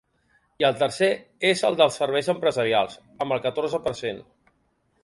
I el tercer és el dels serveis empresarials, amb el catorze per cent.